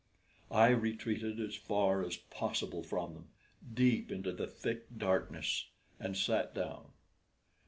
I retreated as far as possible from them, deep into the thick darkness, and sat down.